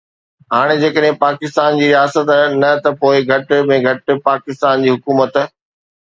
هاڻ جيڪڏهن پاڪستان جي رياست نه ته پوءِ گهٽ ۾ گهٽ پاڪستان جي حڪومت